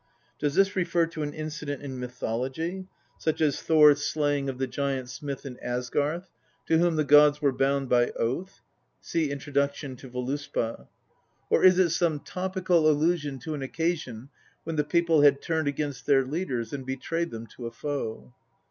Does this refer to an incident in mythology, such as Thor's slaying of the G G L THE POETIC EDDA. giant smith in Asgarth, to whom the gods were bound by oath (see Introd. to Vsp.) ; or is it some topical allusion to an occasion when the people had turned against their leaders, and betrayed them to a foe